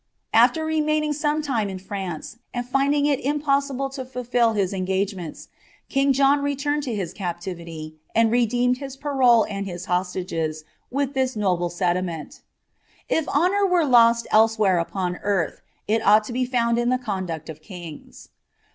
Afler remaining some time in nnce, and finding it impossible to fulfil his engagements, king John tnmed to his captivity, and redeemed his parole and his hostages with is noble sentiment :^ If honour were lost elsewhere upon earth, it ight to be found in the conduct of kings.''